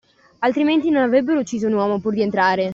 Altrimenti non avrebbero ucciso un uomo, pur di entrare!